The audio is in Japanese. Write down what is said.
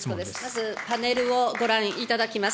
まずパネルをご覧いただきます。